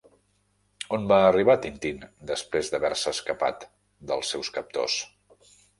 On va arribar Tintín després d'haver-se escapat dels seus captors?